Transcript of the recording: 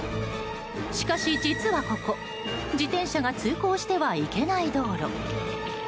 しかし、実はここ、自転車が通行してはいけない道路。